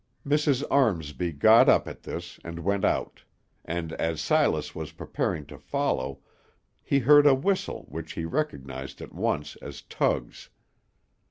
Mrs. Armsby got up at this and went out; and as Silas was preparing to follow, he heard a whistle which he recognized at once as Tug's.